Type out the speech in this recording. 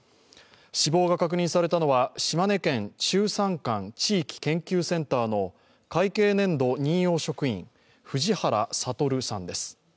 死亡が確認されたのは島根県中山間地域研究センターの会計年度任用職員の藤原悟さんです。